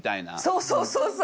そうそうそうそう！